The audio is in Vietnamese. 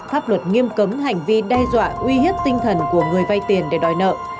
pháp luật nghiêm cấm hành vi đe dọa uy hiếp tinh thần của người vay tiền để đòi nợ